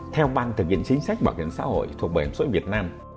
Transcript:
theo ban thực hiện chính sách bảo hiểm xã hội thuộc bảo hiểm xã hội việt nam